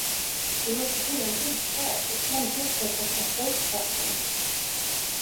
Vi måste finna en utväg, ett lämpligt sätt att bättra upp saken.